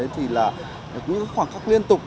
thì là khoảng khắc liên tục